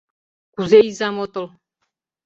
— Кузе изам отыл?